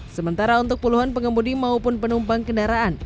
sementara untuk puluhan pengemudi maupun penumpang kendaraan